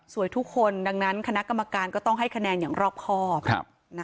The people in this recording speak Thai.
ทุกคนดังนั้นคณะกรรมการก็ต้องให้คะแนนอย่างรอบครอบ